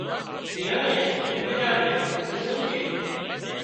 ايئانئي اونۮيڙا نين پوسيون ڪي